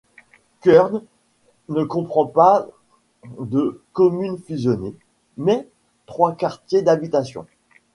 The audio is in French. Kuurne ne comprend pas de commune fusionnée, mais trois quartiers d'habitation.